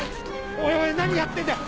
おいおい何やってんだよ！